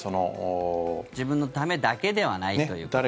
自分のためだけではないということですね。